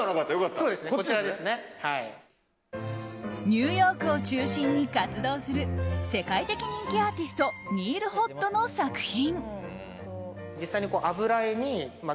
ニューヨークを中心に活動する世界的人気アーティストニール・ホッドの作品。